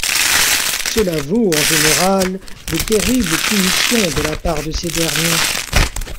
Cela vaut en général de terribles punitions de la part de ces derniers.